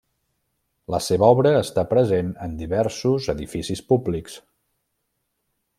La seva obra està present en diversos edificis públics.